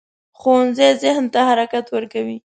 ښوونځی ذهن ته حرکت ورکوي